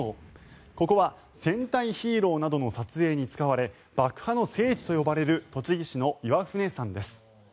ここは戦隊ヒーローなどの撮影に使われ爆破の聖地と呼ばれる栃木市の岩船山です。